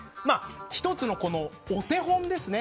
１つのお手本ですね。